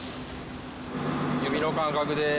指の感覚で。